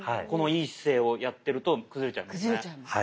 この良い姿勢をやってると崩れちゃいますね。